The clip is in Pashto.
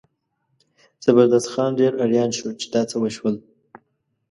زبردست خان ډېر اریان شو چې دا څه وشول.